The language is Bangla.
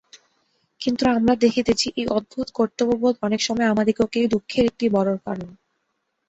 কিন্তু আমরা দেখিতেছি, এই অদ্ভুত কর্তব্যবোধ অনেক সময় আমাদিগকে দুঃখের একটি বড় কারণ।